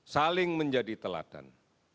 saling menjadi teladan